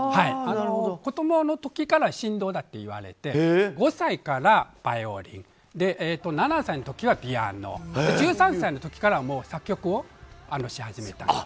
子供の時から神童だっていわれて５歳からバイオリン７歳の時はピアノ１３歳の時からもう作曲をし始めたんです。